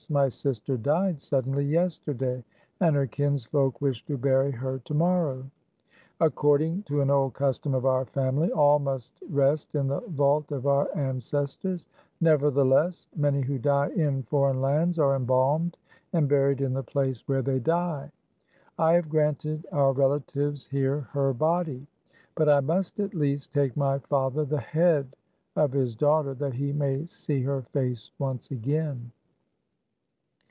My sister died suddenly yesterday, and her kinsfolk wish to bury her to morrow. According to an old custom of our family, all must rest in the vault of our ances tors ; nevertheless, many who die in foreign lands are embalmed, and buried in the place where they die. I have granted our relatives here her body ; but I must, at least, take my father the head of his daughter, that he may see her face once again."